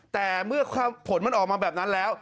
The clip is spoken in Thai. แต่เมื่อผลมันออกมาแบบนั้นแล้ว